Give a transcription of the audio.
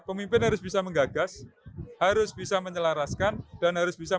pemimpin harus bisa menggagas harus bisa menyelaraskan dan harus bisa